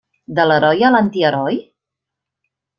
De l'heroi a l'antiheroi?